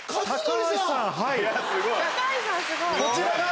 こちらが。